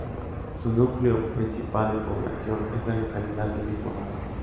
Su núcleo principal de población es la localidad del mismo nombre.